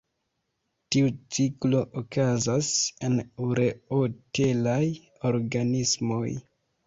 Tiu ciklo okazas en ureotelaj organismoj.